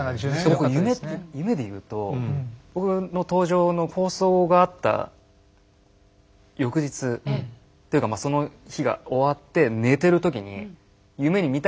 僕夢でいうと僕の登場の放送があった翌日というかその日が終わって寝てる時にハハッ！